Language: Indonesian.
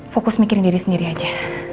fokus mikirin diri sendiri aja